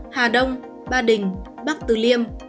hà đông ba đình bắc từ liêm